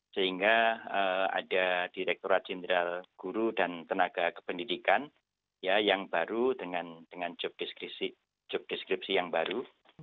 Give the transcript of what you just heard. sehingga ada direkturat jenderal guru dan tenaga kependidikan yang baru dengan job deskripsi yang baru